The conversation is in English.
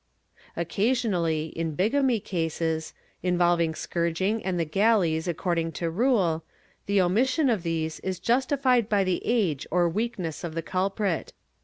Occasionally, in bigamy cases, involving scourging and the galleys according to rule, the omission of these is justified by the age or weakness of the culprit.